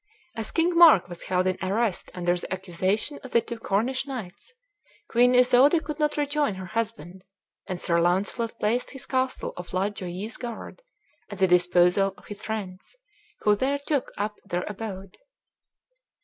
As King Mark was held in arrest under the accusation of the two Cornish knights, Queen Isoude could not rejoin her husband, and Sir Launcelot placed his castle of La Joyeuse Garde at the disposal of his friends, who there took up their abode.